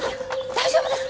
大丈夫ですか？